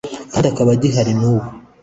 kandi akaba agihari na n'ubu